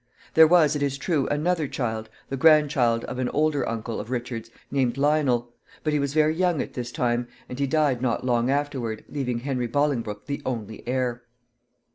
There was, it is true, another child, the grandchild of an older uncle of Richard's, named Lionel; but he was very young at this time, and he died not long afterward, leaving Henry Bolingbroke the only heir.